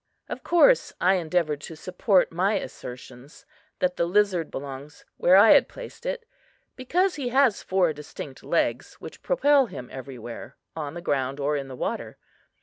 Of course I endeavored to support my assertion that the lizard belongs where I had placed it, be . cause he has four distinct legs which propel him everywhere, on the ground or in the water.